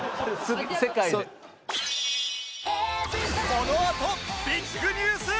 このあとビッグニュース！